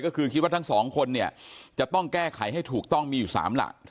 ก็คือคิดว่าทั้งสองคนเนี่ยจะต้องแก้ไขให้ถูกต้องมีอยู่๓หลัก